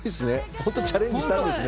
本当にチャレンジしたんですね。